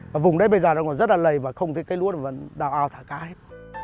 và vùng đấy bây giờ nó còn rất là lầy và không thấy cây lúa nó vẫn đào ao thả cá hết